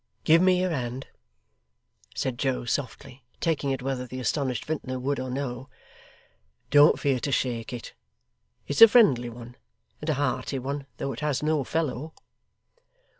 'Give me your hand,' said Joe softly, taking it whether the astonished vintner would or no. 'Don't fear to shake it; it's a friendly one and a hearty one, though it has no fellow.